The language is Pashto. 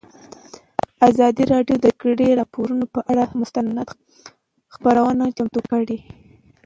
ازادي راډیو د د جګړې راپورونه پر اړه مستند خپرونه چمتو کړې.